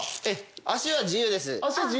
足は自由です。